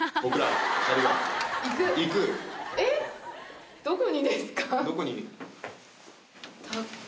えっ！